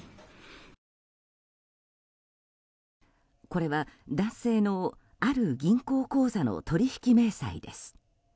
これは男性の銀行口座のある取引明細です。